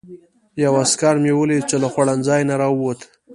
یو عسکر مې ولید چې له خوړنځای نه راووت.